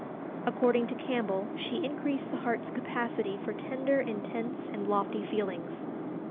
According to Campbell, she increased the heart's capacity for tender, intense, and lofty feelings.